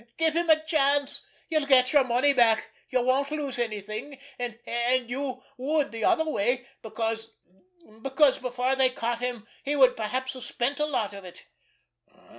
Give him a chance! You'll get your money back, you won't lose anything, and—and you would the other way, because—because before they caught him he would perhaps have spent a lot of it."